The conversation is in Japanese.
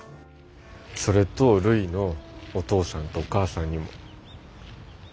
それとるいのお父さんとお母さんにも。